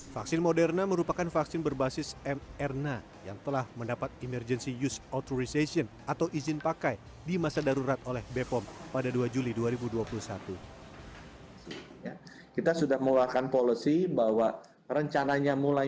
vaksin moderna merupakan vaksin berbasis mrna yang telah mendapat emergency use authorization atau izin pakai di masa darurat oleh bepom pada dua juli dua ribu dua puluh satu